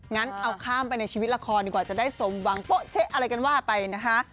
งั้นเอาข้ามไปในชีวิตละครดีกว่าจะได้สมหวังโป๊ะเช๊ะอะไรกันว่าไปนะคะ